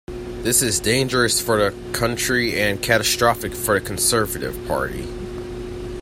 This is dangerous for the country and catastrophic for the Conservative Party.